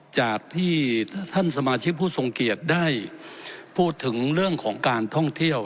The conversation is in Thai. จากที่ท่านสมาชิกผู้ทรงเกียจได้พูดถึงเรื่องของการท่องเที่ยว